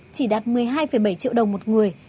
chỉ đạt một mươi hai bảy triệu đồng một người